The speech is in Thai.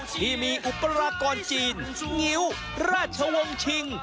ที่มีอุปรากรจีนงิ้วราชวงศ์ชิง